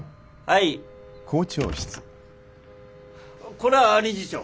これは理事長。